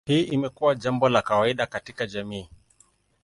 Hii imekuwa jambo la kawaida katika jamii.